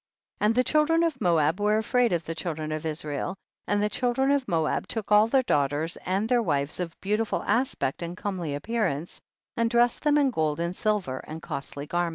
54. And the children of Moab were afraid of the children of Israel, and the children of Moab took all their daughters and their wives of beauti ful aspect and comely appearance, and dressed them in gold and silver and costly garments.